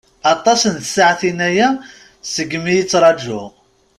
Aṭas n tsaɛtin-aya seg mi i ttṛajuɣ.